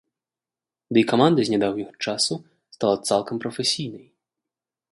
Ды і каманда з нядаўняга часу стала цалкам прафесійнай.